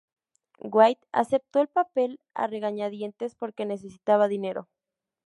White aceptó el papel a regañadientes porque necesitaba dinero.